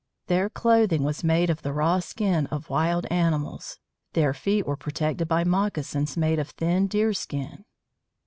Their clothing was made of the raw skin of wild animals. Their feet were protected by moccasins made of thin deerskin.